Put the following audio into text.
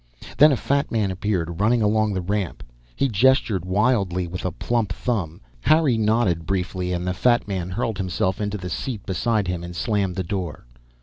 Then a fat man appeared, running along the ramp. He gestured wildly with a plump thumb. Harry nodded briefly, and the fat man hurled himself into the seat beside him and slammed the door.